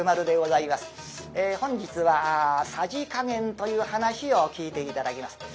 本日は「さじ加減」という噺を聴いて頂きます。